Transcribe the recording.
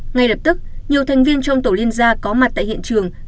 ngay lập tức nhiều thành viên trong tổ liên gia có mặt tại hiện trường